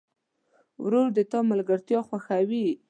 ورور د تا ملګرتیا خوښوي.